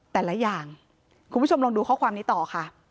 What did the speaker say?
แต่ละอย่างคุณผู้ชมลองดูข้อความนี้ต่อค่ะ